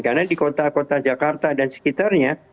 karena di kota kota jakarta dan sekitar ini